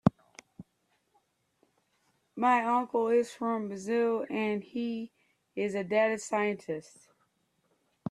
My uncle is from Brazil and he is a data scientist.